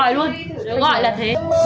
nó gọi là thế